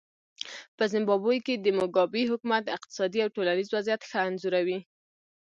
په زیمبابوې کې د موګابي حکومت اقتصادي او ټولنیز وضعیت ښه انځوروي.